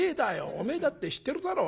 おめえだって知ってるだろ。